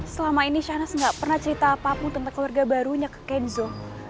selama ini shanas gak pernah cerita apapun tentang keluarga barunya ke kenzo